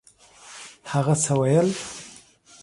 هغه څه ویل؟